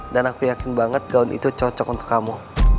aku yakin banget gaun itu cocok untuk kamu